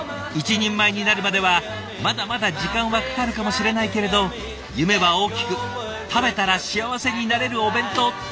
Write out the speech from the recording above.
一人前になるまではまだまだ時間はかかるかもしれないけれど夢は大きく「食べたら幸せになれるお弁当」！